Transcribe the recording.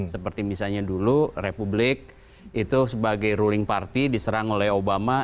seperti misalnya dulu republik itu sebagai ruling party diserang oleh obama